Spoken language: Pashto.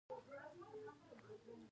د پنجشیر دره ډیره مشهوره ده